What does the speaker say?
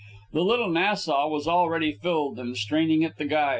The "Little Nassau" was already filled and straining at the guys.